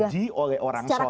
di uji oleh orang soleh